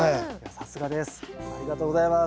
さすがです。